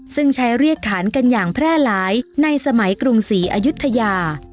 ซึ่งใช้เรียกขานกันอย่างแพร่หลายในสมัยกรุงศรีอายุทยา